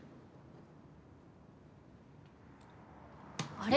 あれ？